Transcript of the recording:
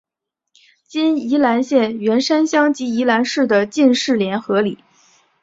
今宜兰县员山乡及宜兰市的进士联合里。